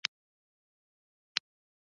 ولسواکي ځکه ښه ده چې روح تازه کوي.